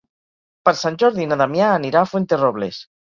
Per Sant Jordi na Damià anirà a Fuenterrobles.